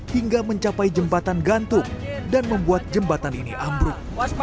hingga mencapai jembatan gantung dan membuat jembatan ini ambruk